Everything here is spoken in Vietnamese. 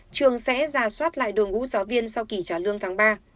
trường sẽ ra soát lại đội ngũ giáo viên sau kỳ trả lương tháng ba